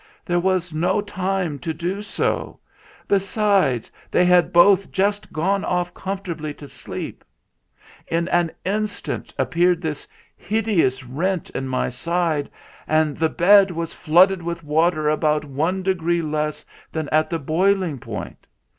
There was no time to do so. Be sides, they had both just gone off comfortably to sleep. In an instant appeared this hideous rent in my side, and the bed was flooded with water about one degree less than at the boiling point.